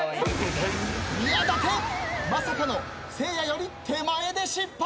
宮舘まさかのせいやより手前で失敗。